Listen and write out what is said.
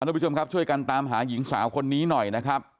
ทุกผู้ชมครับช่วยกันตามหาหญิงสาวคนนี้หน่อยนะครับ